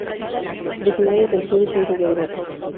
Originaria del sur y centro de Europa.